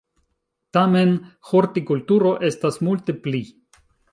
Tamen, "hortikulturo" estas multe pli.